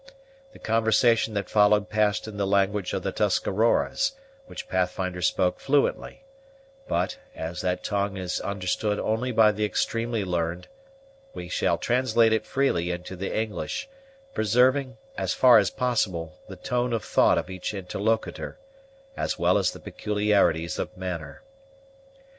The conversation that followed passed in the language of the Tuscaroras, which Pathfinder spoke fluently; but, as that tongue is understood only by the extremely learned, we shall translate it freely into the English; preserving, as far as possible, the tone of thought of each interlocutor, as well as the peculiarities of manner.